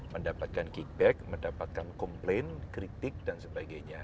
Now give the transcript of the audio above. mendapatkan kickback mendapatkan komplain kritik dan sebagainya